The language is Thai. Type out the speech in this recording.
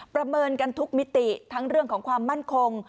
ประเมินกันทุกมิติทั้งเรื่องของความมั่นคง